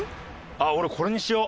俺これにしよう！